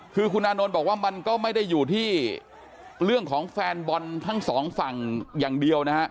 คุณอนโน้นบอกว่ามันก็ไม่ได้อยู่ที่เรื่องของแฟนบอลทั้ง๒ฝั่งอย่างเดียว